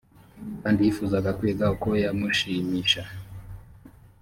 kandi yifuzaga kwiga uko yamushimisha